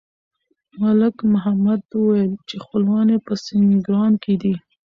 ملک محمد وویل چې خپلوان یې په سینګران کې دي.